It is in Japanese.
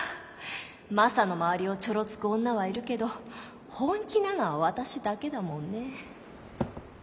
マサの周りをちょろつく女はいるけど本気なのは私だけだもんね。